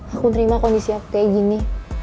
aku mulai terima konstvo shield kayak gini